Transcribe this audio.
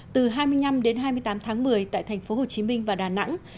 từ hai mươi năm đến hai mươi tám tháng một mươi tại tp hcm và đà nẵng